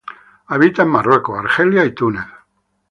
Habita en Marruecos, Argelia y Túnez.